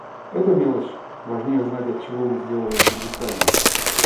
Это мелочь. Важнее знать, отчего мы сделались беглецами?